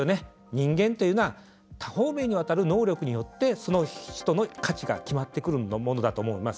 人間というのは多方面にわたる能力によってその人の価値が決まってくるものだと思います。